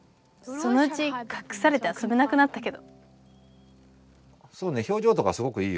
「そのうちかくされてあそべなくなったけど」